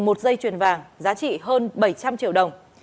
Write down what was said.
một dây chuyền vàng giá trị hơn bảy trăm linh triệu đồng